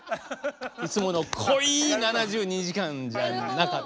いつもの濃い「７２時間」じゃなかった。